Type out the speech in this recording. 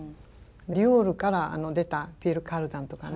ディオールから出たピエール・カルダンとかね